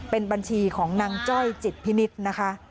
เป็นบัญชีของนางจ้อยจิตพินิษฐ์นะคะ